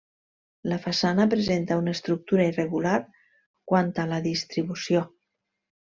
La façana presenta una estructura irregular quant a la distribució.